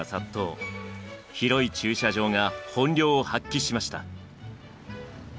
広い駐車場が本領を発揮しました。